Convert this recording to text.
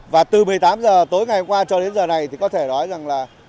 và từ một mươi tám h tối ngày hôm qua cho đến giờ này thì có thể nói rằng là